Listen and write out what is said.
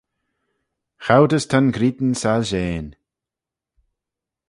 Choud as ta'n ghrian soilshean.